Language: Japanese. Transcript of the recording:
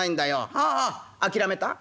「はあ諦めた？」。